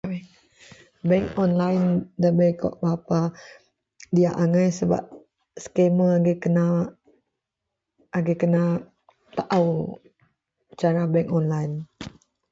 Bei online, ndabei berapa diyak angai sebab, scammer agei kena, agei kena taou cara bei online